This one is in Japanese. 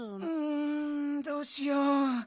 うんどうしよう。